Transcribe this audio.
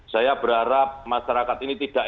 saya berharap masyarakat ini tidak